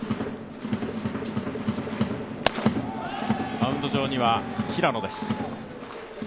マウンド上には平野です。